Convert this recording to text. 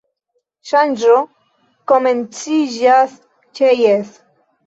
Ŝanĝo komenciĝas ĉe Jes!